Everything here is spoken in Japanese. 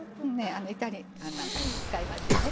イタリアンなんかにも使いますよね。